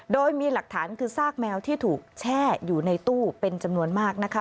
โดยมีหลักฐานคือซากแมวที่ถูกแช่อยู่ในตู้เป็นจำนวนมากนะคะ